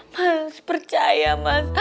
mas percaya mas